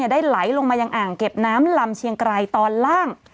ได้ไหลลงมายังอ่างเก็บน้ำลำเชียงไกรตอนล่าง